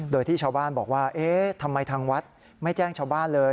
โดยที่ชาวบ้านบอกว่าเอ๊ะทำไมทางวัดไม่แจ้งชาวบ้านเลย